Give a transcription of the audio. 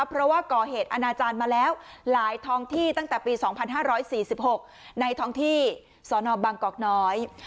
เพราะว่าก่อเหตุอนาจารย์มาแล้วหลายท้องที่ตั้งแต่ปี๒๕๔๖ในท้องที่สนบังกอกน้อย